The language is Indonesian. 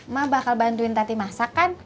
mama bakal bantuin tati masakan